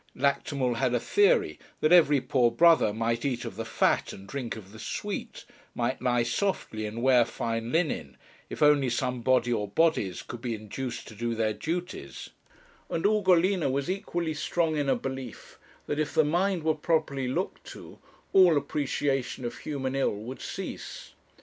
Lactimel had a theory that every poor brother might eat of the fat and drink of the sweet, might lie softly, and wear fine linen, if only some body or bodies could be induced to do their duties; and Ugolina was equally strong in a belief that if the mind were properly looked to, all appreciation of human ill would cease.